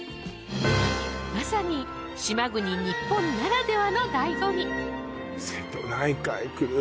まさに島国日本ならではの醍醐味